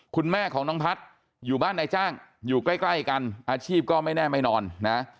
คุณแม่ของน้องพัฒน์อยู่บ้านนายจ้างอยู่ใกล้กันอาชีพก็ไม่แน่ไม่นอนนะ